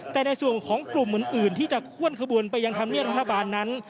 แต่ในส่วนของกลุ่มเหมือนอื่นที่จะคว่นขบวนไปยังทำเนื้อรัฐบาลนั้น